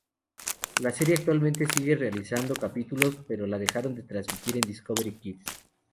La serie actualmente sigue realizando capítulos, pero la dejaron de transmitir en Discovery Kids.